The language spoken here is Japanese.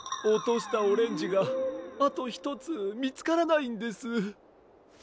おとしたオレンジがあとひとつみつからないんです。